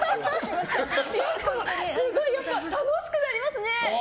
すごい、楽しくなりますね。